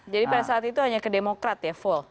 jadi pada saat itu hanya ke demokrat ya full